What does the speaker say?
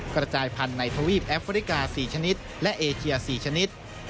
กระจายพันธุ์ในทวีปแอฟริกา๔ชนิดและเอเชีย๔ชนิด